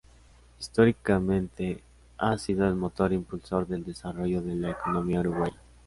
Históricamente ha sido el motor impulsor del desarrollo de la economía uruguaya.